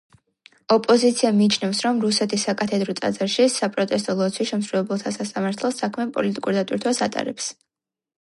ოპოზიცია მიიჩნევს, რომ რუსეთის საკათედრო ტაძარში „საპროტესტო ლოცვის“ შემსრულებელთა სასამართლო საქმე პოლიტიკურ დატვირთვას ატარებს.